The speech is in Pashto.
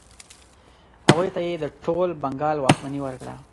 هغوی ته یې د ټول بنګال واکمني ورکړه.